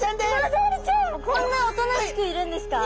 こんなおとなしくいるんですか？